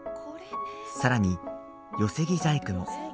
さらに、寄せ木細工も。